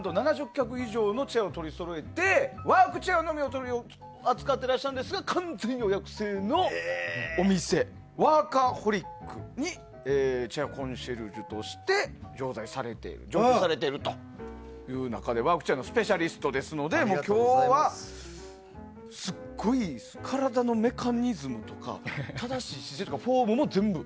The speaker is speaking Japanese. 脚以上のチェアを取りそろえてワークチェアのみを取り扱っているんですが完全予約制のお店ＷＯＲＫＡＨＯＬＩＣにチェアコンシェルジュとして常駐されているという中でワークチェアのスペシャリストですので今日はすっごい体のメカニズムとか正しい姿勢とかフォームも全部。